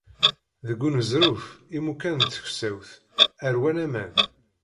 Deg uneẓruf, imukan n tkessawt ṛwan aman.